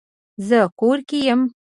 زه کور کې یم